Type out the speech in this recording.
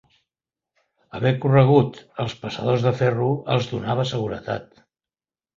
Haver corregut els passadors de ferro els donava seguretat.